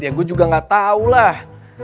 ya gue juga gak tahu lah